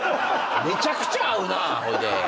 めちゃくちゃ会うなほいで。